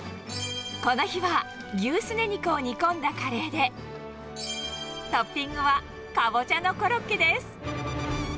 この日は、牛すね肉を煮込んだカレーで、トッピングはカボチャのコロッケです。